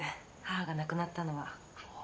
母が亡くなったのは。